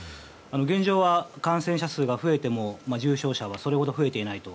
現状は、感染者数が増えても重症者はそれほど増えていないと。